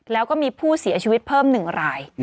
แล้วก็มีผู้เสียชีวิตเพิ่ม๑ราย